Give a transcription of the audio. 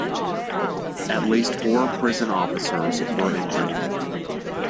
At least four prison officers were injured.